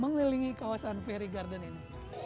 mengelilingi kawasan ferry garden ini